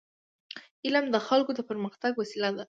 علم د خلکو د پرمختګ وسیله ده.